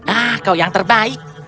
ah kau yang terbaik